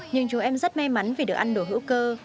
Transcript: nhưng chúng em rất may mắn vì được ăn đồ hữu cơ